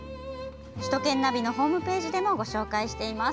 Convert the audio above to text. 首都圏ナビのホームページでもご紹介しています。